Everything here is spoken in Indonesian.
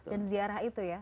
dan ziarah itu ya